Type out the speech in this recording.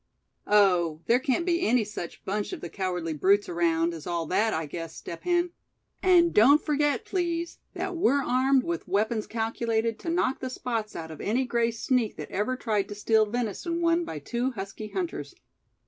"Oh! there can't be any such bunch of the cowardly brutes around, as all that, I guess, Step Hen. And don't forget, please, that we're armed with weapons calculated to knock the spots out of any gray sneak that ever tried to steal venison won by two husky hunters.